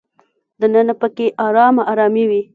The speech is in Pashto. دننه په کې ارامه ارامي وي.